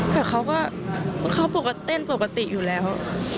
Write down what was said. แต่เขาก็เขาปกติเต้นปกติอยู่แล้ว